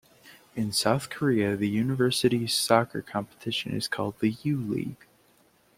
In South Korea, the university soccer competition is called the U-League.